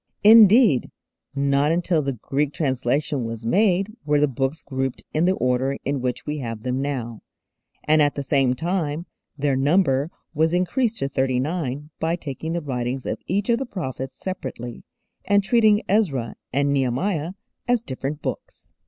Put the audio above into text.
Indeed, not until the Greek translation was made were the books grouped in the order in which we have them now, and at the same time their number was increased to thirty nine by taking the writings of each of the prophets separately, and treating Ezra and Nehemiah as different books.